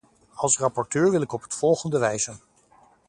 Als rapporteur wil ik op het volgende wijzen.